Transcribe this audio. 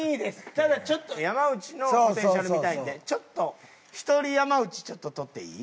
ただちょっと山内のポテンシャル見たいんでちょっと一人山内ちょっと撮っていい？